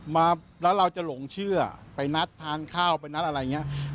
มาแล้วเราจะหลงเชื่อไปนัดทานข้าวไปนัดอะไรอย่างนี้